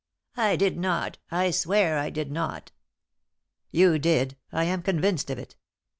"I did not. I swear I did not." "You did. I am convinced of it.